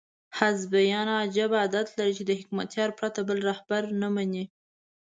حزبیان عجیب عادت لري چې د حکمتیار پرته بل رهبر نه مني.